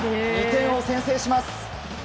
２点を先制します。